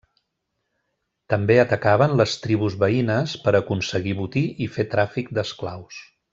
També atacaven les tribus veïnes per a aconseguir botí i fer tràfic d'esclaus.